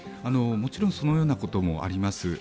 もちろんそのようなこともあります。